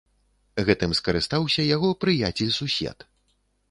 Гэтым скарыстаўся яго прыяцель-сусед.